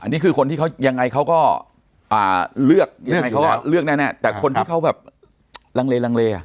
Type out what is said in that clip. นี่คือคนที่เขายังไงเขาก็เลือกเลือกแน่แต่คนที่เขาแบบลังเลลังเล